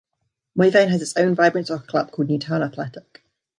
Moyvane has its own vibrant soccer club called Newtown Athletic.